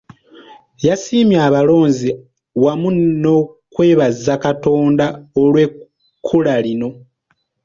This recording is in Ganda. Yasiimye abalonzi wamu n’okwebaza Katonda olw’ekkula lino.